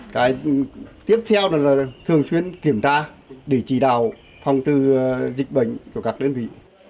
cái tiếp theo là thường xuyên kiểm tra để chỉ đạo phòng trừ dịch bệnh của các đơn vị